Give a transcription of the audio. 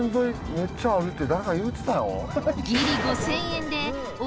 めっちゃあるって誰か言うてたよ。